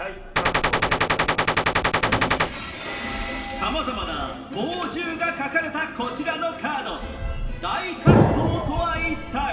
さまざまな猛獣が書かれたこちらのカード「大格闘」とは一体？